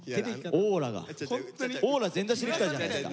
オーラ全出しで来たじゃないですか。